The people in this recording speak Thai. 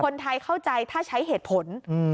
คนไทยเข้าใจถ้าใช้เหตุผล